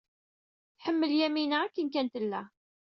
Tḥemmel Yamina akken kan tella.